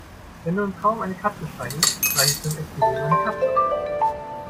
Wenn du im Traum eine Katze streichelst, streichelst du im echten Leben eine Katze.